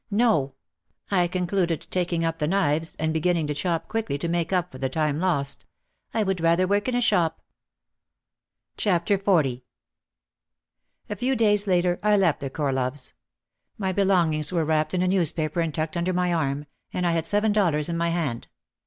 "No," I concluded, taking up the knives, and beginning to chop quickly to make up for the time lost, "I would rather work in a shop." 182 OUT OF THE SHADOW XL A few days later I left the Corloves. My belongings were wrapped in a newspaper and tucked under my arm, and I had seven dollars in my hand.